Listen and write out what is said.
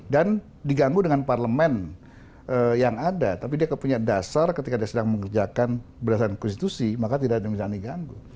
dan diganggu dengan parlemen yang ada tapi dia punya dasar ketika dia sedang mengerjakan berdasarkan konstitusi maka tidak bisa diganggu